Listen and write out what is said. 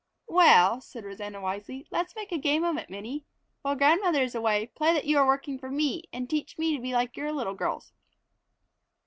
"Well," said Rosanna wisely, "let's make a game of it, Minnie. While grandmother is away, play you are working for me and teach me to be like your little girls."